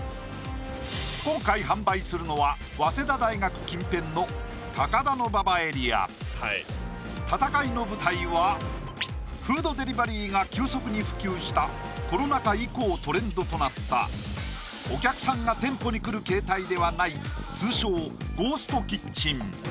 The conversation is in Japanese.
今回販売するのは早稲田大学近辺の高田馬場エリア戦いの舞台はフードデリバリーが急速に普及したコロナ禍以降トレンドとなったお客さんが店舗に来る形態ではない通称・ゴーストキッチン